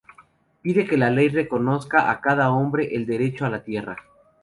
Pide que la ley reconozca a cada hombre el derecho a la tierra.